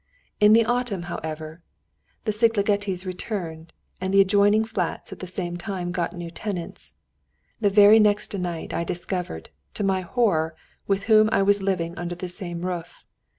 In the autumn, however, the Szigligetis returned, and the adjoining flats at the same time got new tenants. The very next night I discovered, to my horror, with whom I was living under the same roof.